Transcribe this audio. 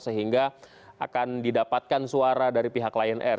sehingga akan didapatkan suara dari pihak lion air